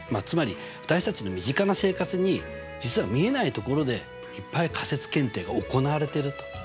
つまり私たちの身近な生活に実は見えないところでいっぱい仮説検定が行われていると。